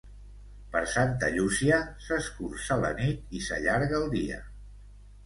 Per Santa Llúcia, s'escurça la nit i s'allarga el dia.